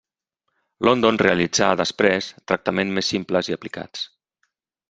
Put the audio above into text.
London realitzà, després, tractaments més simples i aplicats.